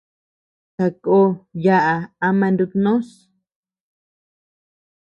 Sakó yaʼa ama nutnós.